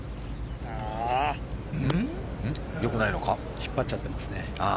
引っ張っちゃってますね。